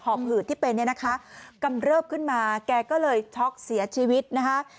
หืดที่เป็นเนี่ยนะคะกำเริบขึ้นมาแกก็เลยช็อกเสียชีวิตนะคะ